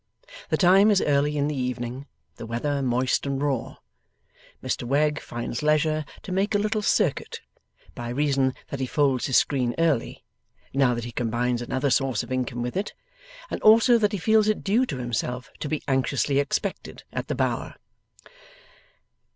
The time is early in the evening; the weather moist and raw. Mr Wegg finds leisure to make a little circuit, by reason that he folds his screen early, now that he combines another source of income with it, and also that he feels it due to himself to be anxiously expected at the Bower.